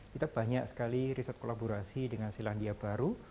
kita banyak sekali riset kolaborasi dengan selandia baru